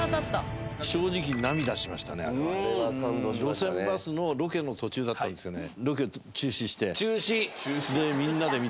『路線バス』のロケの途中だったんですけどね。